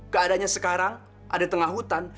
keadanya sekarang ada di tengah hutan